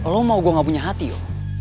lo mau gue nggak punya hati yo